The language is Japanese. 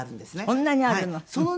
そんなにあるの？